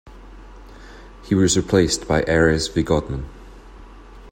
He was replaced by Erez Vigodman.